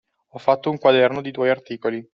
Ho fatto un quaderno di tuoi articoli.